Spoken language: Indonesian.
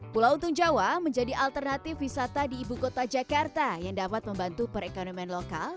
pulau untung jawa menjadi alternatif wisata di ibu kota jakarta yang dapat membantu perekonomian lokal